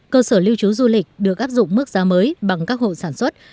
cơ sở lưu trú du lịch được áp dụng mức giá mới bằng các hộ sản xuất